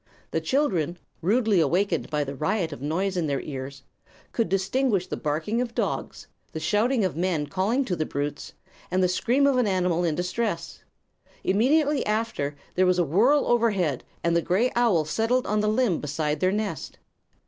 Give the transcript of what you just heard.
The children, rudely awakened by the riot of noise in their ears, could distinguish the barking of dogs, the shouts of men calling to the brutes, and the scream of an animal in deep distress. Immediately after, there was a whirl overhead and the gray owl settled on the limb beside their nest.